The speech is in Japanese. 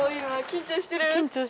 緊張してる。